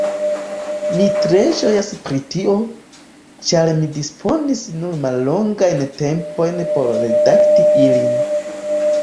Mi tre ĝojas pri tio, ĉar mi disponis nur mallongajn tempojn por redakti ilin.